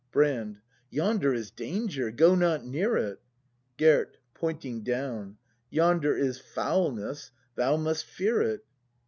Brand. Yonder is danger; go not near it! Gerd. [Pointing down.] Yonder is foulness; thou must fear it!